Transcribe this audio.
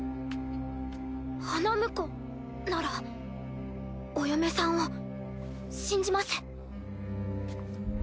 花婿ならお嫁さんを信じます。